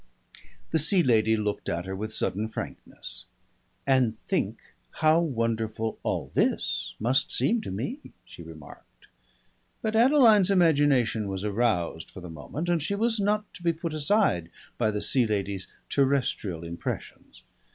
The Sea Lady looked at her with sudden frankness. "And think how wonderful all this must seem to me!" she remarked. But Adeline's imagination was aroused for the moment and she was not to be put aside by the Sea Lady's terrestrial impressions.